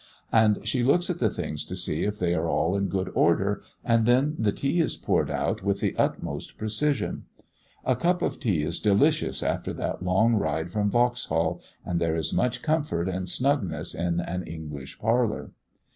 And she looks at the things to see if they are all in good order, and then the tea is poured out with the utmost precision. A cup of tea is delicious after that long ride from Vauxhall, and there is much comfort and snugness in an English parlour.